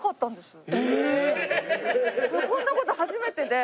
こんな事初めてで。